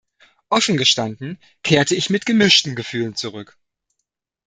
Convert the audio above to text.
Offen gestanden kehrte ich mit gemischten Gefühlen zurück.